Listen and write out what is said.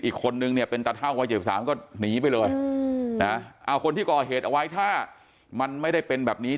อีกคนนึงเนี่ยเป็นตาเท่าวัย๗๓ก็หนีไปเลยนะเอาคนที่ก่อเหตุเอาไว้ถ้ามันไม่ได้เป็นแบบนี้